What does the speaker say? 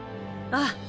ああ！